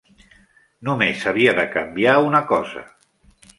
Només havia de canviar una cosa.